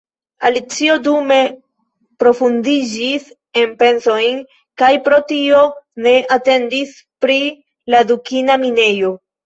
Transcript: Alicio dume profundiĝis en pensojn, kaj pro tio ne atentis pri la dukina minejo.